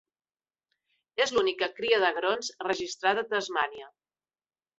És l'única cria d'agrons registrada a Tasmània.